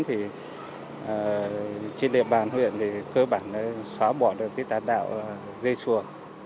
thì trên địa bàn huyện thì cơ bản nó xóa bỏ được cái tà đạo dây xua